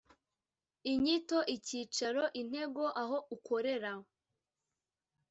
Inyito icyicaro intego aho ukorera